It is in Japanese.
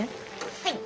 はい！